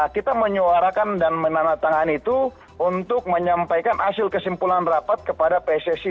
kita menyuarakan dan menandatangani itu untuk menyampaikan hasil kesimpulan rapat kepada pssi